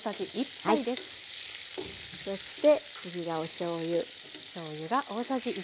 そして次がおしょうゆ。